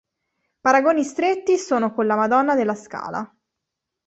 Paragoni stretti sono con la "Madonna della Scala".